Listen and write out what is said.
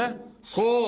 そう。